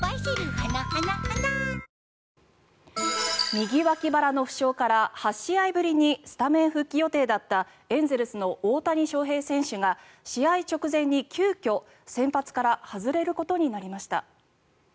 右脇腹の負傷から８試合ぶりにスタメン復帰予定だったエンゼルスの大谷翔平選手が試合直前に急きょ先発から外れることになりました。